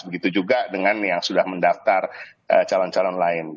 begitu juga dengan yang sudah mendaftar calon calon lain